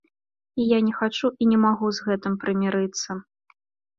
І я не хачу і не магу з гэтым прымірыцца.